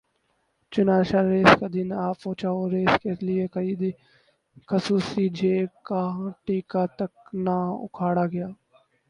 چناچہ race کا دن آپہنچا اور ریس کے لیے خرید گ خصوصی ج کا ٹیکہ تک نا اکھاڑا گیا